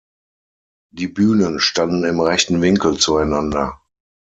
Die Bühnen standen im rechten Winkel zueinander.